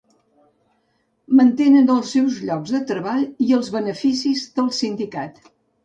Mantenen els seus llocs de treball i els beneficis del sindicat.